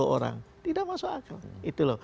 tiga puluh orang tidak masuk akal